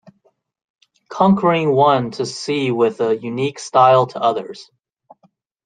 Conquering one to see with a unique style to others.